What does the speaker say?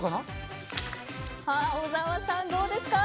小沢さん、どうですか？